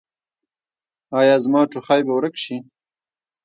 ایا زما ټوخی به ورک شي؟